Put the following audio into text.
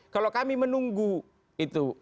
kalau kami menunggu itu